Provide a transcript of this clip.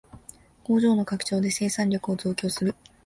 工場の拡張で生産力を増強する